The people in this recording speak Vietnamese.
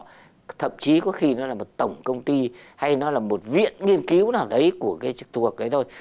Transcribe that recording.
các cái đơn vị trực thuộc của họ thậm chí có khi nó là một tổng công ty hay nó là một viện nghiên cứu nào đấy của cái trực thuộc đấy thôi